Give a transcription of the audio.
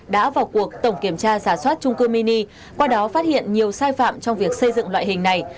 đã vào cuộc tổng kiểm tra giả soát trung cư mini qua đó phát hiện nhiều sai phạm trong việc xây dựng loại hình này